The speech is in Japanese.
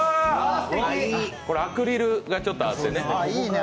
これ、アクリルがちょっとあってね、いいね。